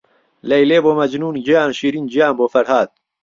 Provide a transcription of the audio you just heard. لهیلێ بۆ مهجنوون، گیان شیرین گیان بۆ فهرهاد